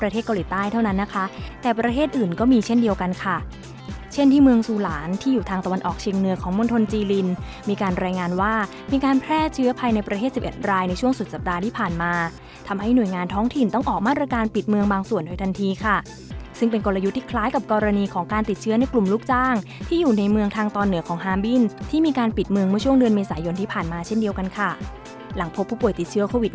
ทนทนจีลินมีการรายงานว่ามีการแพร่เชื้อภัยในประเทศ๑๑รายในช่วงสุดสัปดาห์ที่ผ่านมาทำให้หน่วยงานท้องถิ่นต้องออกมาตรการปิดเมืองบางส่วนไว้ทันทีค่ะซึ่งเป็นกลยุทธ์ที่คล้ายกับกรณีของการติดเชื้อในกลุ่มลูกจ้างที่อยู่ในเมืองทางตอนเหนือของฮามบินที่มีการปิดเมืองเมื่อช่วงเดื